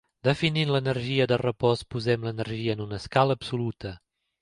Definint l'energia de repòs posem l'energia en una escala absoluta.